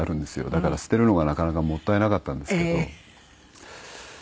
だから捨てるのがなかなかもったいなかったんですけど。